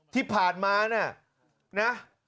ที่ผ่านมานะ